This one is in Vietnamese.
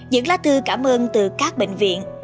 những lá thư cảm ơn từ các bệnh viện